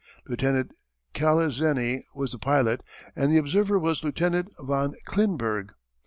Lieutenant Calezeny was the pilot and the observer was Lieutenant von Klinburg.